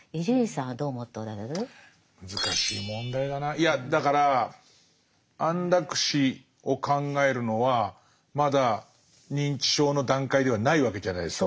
いやだから安楽死を考えるのはまだ認知症の段階ではないわけじゃないですか。